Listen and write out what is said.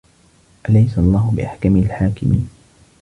أَلَيسَ اللَّهُ بِأَحكَمِ الحاكِمينَ